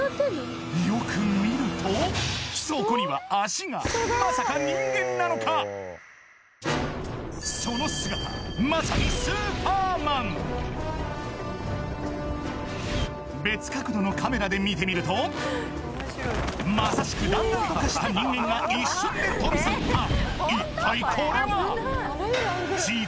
よく見るとそこには足がその姿まさにスーパーマン別角度のカメラで見てみるとまさしく弾丸と化した人間が一瞬で飛び去った一体これは？